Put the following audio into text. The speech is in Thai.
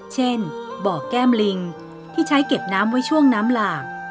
เช่นบ่อแก้มลิงที่ใช้เก็บน้ำไว้ช่วงน้ำหลาก